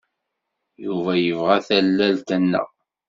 Yuba yebɣa tallalt-nneɣ.